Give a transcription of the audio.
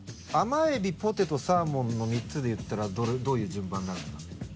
甘えびポテトサーモンの３つでいったらどういう順番なるんですかね？